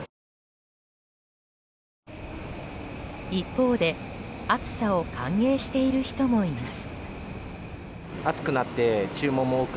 一方で暑さを歓迎している人もいます。